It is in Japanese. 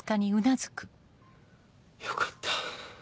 よかった。